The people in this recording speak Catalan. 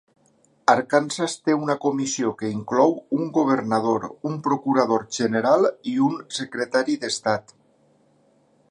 Arkansas té una comissió que inclou un governador, un procurador general i un secretari d'estat.